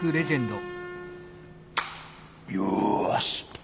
よし。